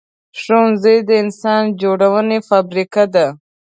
ښوونځی د انسان جوړونې فابریکه ده